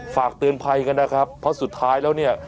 ฝากเตือนภัยกันนะครับเพราะสุดท้ายแล้วเนี่ย